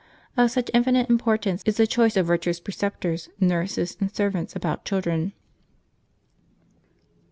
Of such infinite importance is the choice of virtuous preceptors, nurses, and servants about children.